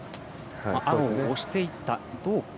青を押していった。